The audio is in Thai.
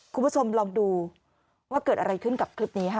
คุณผู้ชมลองดูว่าเกิดอะไรขึ้นกับคลิปนี้ค่ะ